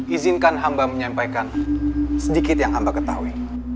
izinkan hamba menyampaikan sedikit yang hamba ketahui